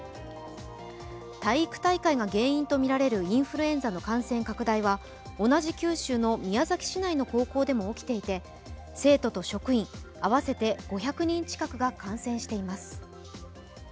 体育大会が原因とみられるインフルエンザの感染拡大は同じ九州の宮崎市内の高校でも起きていて、生徒と職員、合わせて５００人近くが感染しています。